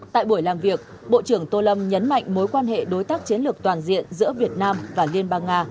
tại buổi làm việc bộ trưởng tô lâm nhấn mạnh mối quan hệ đối tác chiến lược toàn diện giữa việt nam và liên bang nga